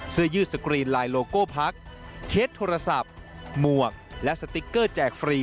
เสื้อยืดสกรีนไลน์โลโก้พักเคสโทรศัพท์หมวกและสติ๊กเกอร์แจกฟรี